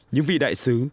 những vị đại sứ